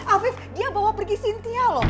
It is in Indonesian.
afif dia bawa pergi sintia loh